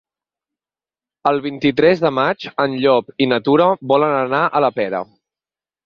El vint-i-tres de maig en Llop i na Tura volen anar a la Pera.